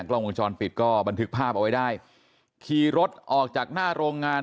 กล้องวงจรปิดก็บันทึกภาพเอาไว้ได้ขี่รถออกจากหน้าโรงงาน